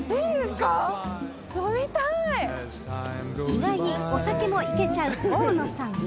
［意外にお酒もいけちゃう大野さん］